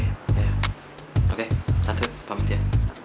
iya oke tante pamit ya